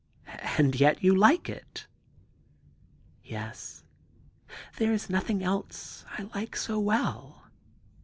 * And yet you like it I '* Yes ; there is nothing else I like so well.